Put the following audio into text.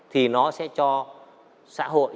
thì nó sẽ cho xã hội